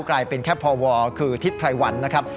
กลายเป็นแค่พอวอร์คือทิศภรรยวรรณนะครับ